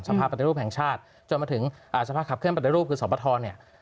ภาพปฏิรูปแห่งชาติจนมาถึงสภาพขับเคลื่อนปฏิรูปคือสอบประทเนี่ย